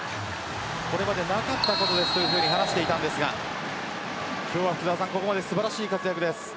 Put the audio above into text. これまでなかったことですというふうに話していましたが今日はここまで素晴らしい活躍です。